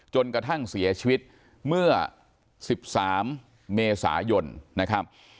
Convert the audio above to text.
จนกระทั่งเสียชีวิตเมื่อ๑๓เมษายนนะครับ